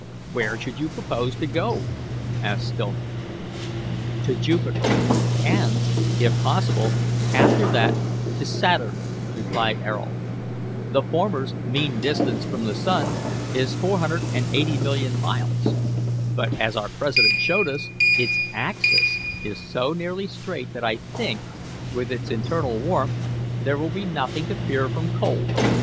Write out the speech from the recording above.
"Where should you propose to go?" asked Stillman. "To Jupiter, and, if possible, after that to Saturn," replied Ayrault; "the former's mean distance from the sun is 480,000,000 miles; but, as our president showed us, its axis is so nearly straight that I think, with its internal warmth, there will be nothing to fear from cold.